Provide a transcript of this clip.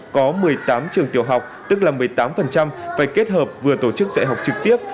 có một mươi tám trường tiểu học tức là một mươi tám phải kết hợp vừa tổ chức dạy học trực tiếp